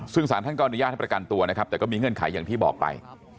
ซึ่งสารท่านก็อนุญาตให้ประกันตัวนะครับแต่ก็มีเงื่อนไขอย่างที่บอกไป